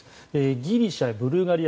ギリシャ、ブルガリア